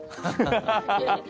ハハハハ！